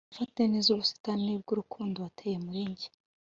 gufata neza ubusitani bwurukundo wateye muri njye